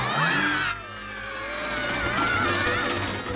ああ。